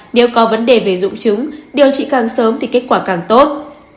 nếu có vấn đề về dụng chứng điều trị càng sớm thì kết quả càng tốt